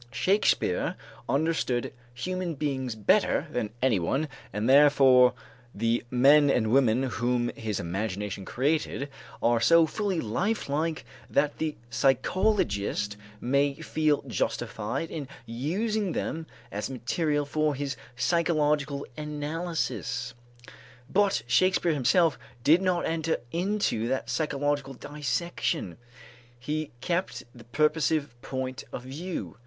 Shakespeare understood human beings better than anyone and therefore the men and women whom his imagination created are so fully lifelike that the psychologist may feel justified in using them as material for his psychological analysis, but Shakespeare himself did not enter into that psychological dissection; he kept the purposive point of view.